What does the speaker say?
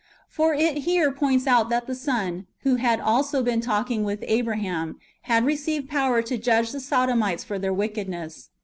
"^ For it here points out that the Son, who had also been talking with Abraham, had received power to judge the Sodomites for their wickedness.